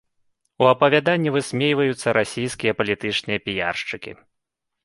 У апавяданні высмейваюцца расійскія палітычныя піяршчыкі.